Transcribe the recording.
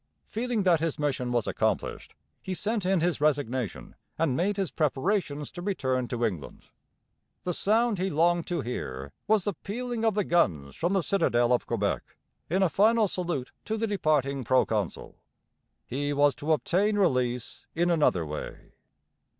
Feeling that his mission was accomplished, he sent in his resignation and made his preparations to return to England. The sound he longed to hear was the pealing of the guns from the citadel of Quebec in a final salute to the departing proconsul. He was to obtain release in another way.